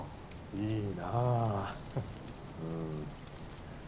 いいなぁ。